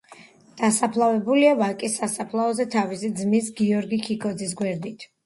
დასაფლავებულია ვაკის სასაფლაოზე თავისი ძმის გიორგი ქიქოძის გვერდით.